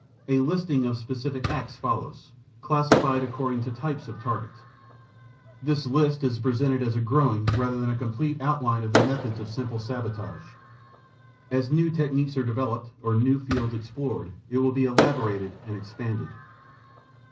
A listing of specific acts follows, classified according to types of target. This list is presented as a growing rather than a complete outline of the methods of simple sabotage. As new techniques are developed, or new fields explored, it will be elaborated and expanded.